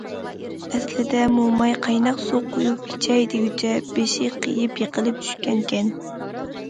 ئەسلىدە موماي قايناق سۇ قۇيۇپ ئىچەي دېگۈچە، بېشى قېيىپ يېقىلىپ چۈشكەنىكەن.